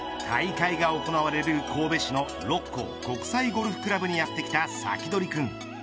大会が行われる神戸市の六甲国際ゴルフ倶楽部にやってきたサキドリくん。